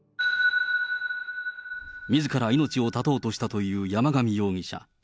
みずから命を絶とうとしたという山上容疑者。